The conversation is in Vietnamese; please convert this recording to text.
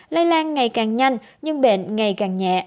lây lan ngày càng nhanh nhưng bệnh ngày càng nhẹ